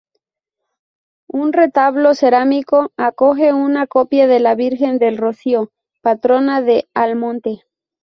Un retablo cerámico acoge una copia de la Virgen del Rocío, Patrona de Almonte.